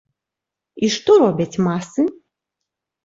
І што робяць масы?